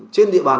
trên địa bàn